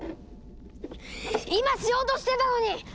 今しようとしてたのに！